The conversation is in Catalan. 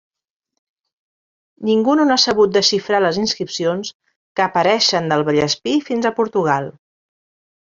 Ningú no n’ha sabut desxifrar les inscripcions, que apareixen del Vallespir fins a Portugal.